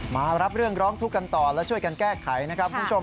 มารับเรื่องร้องทุกข์กันต่อและช่วยกันแก้ไขนะครับคุณผู้ชม